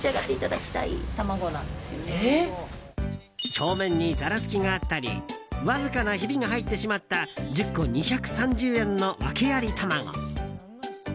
表面にざらつきがあったりわずかなひびが入ってしまった１０個２３０円の訳ありたまご。